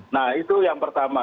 nah itu yang pertama